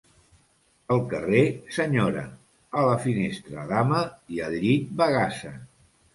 Al carrer, senyora, a la finestra, dama i al llit, bagassa.